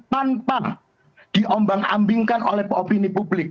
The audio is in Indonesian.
tanpa diombang ambingkan oleh opini publik